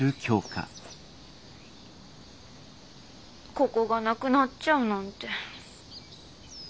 ここがなくなっちゃうなんて。